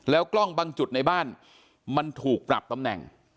กล้องบางจุดในบ้านมันถูกปรับตำแหน่ง